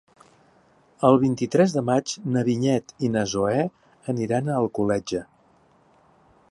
El vint-i-tres de maig na Vinyet i na Zoè aniran a Alcoletge.